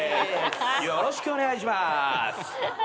よろしくお願いします。